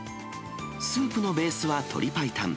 スープのベースは鶏白湯。